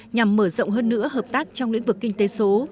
nhằm mở rộng hơn nữa hợp tác trong lĩnh vực kinh tế số